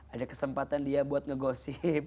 ada kesempatan dia buat ngegosip